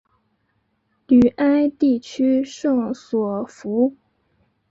吕埃地区圣索弗。